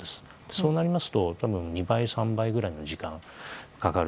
そうなりますと、多分２倍、３倍ぐらいの時間がかかる。